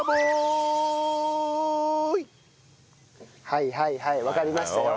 はいはいはいわかりましたよ。